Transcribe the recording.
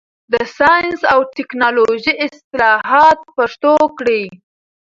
د ساینس او ټکنالوژۍ اصطلاحات پښتو کړئ.